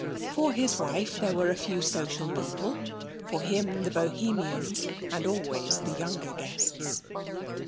For his wife there were a few social people, for him the Bohemians, and always the younger guests.